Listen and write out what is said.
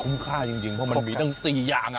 ค่าจริงเพราะมันมีตั้ง๔อย่าง